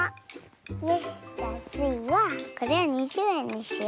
よしじゃスイはこれを２０円にしよう。